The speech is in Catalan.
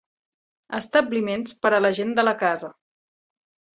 Establiments per a la gent de la casa.